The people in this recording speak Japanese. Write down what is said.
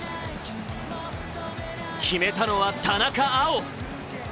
決めたのは、田中碧。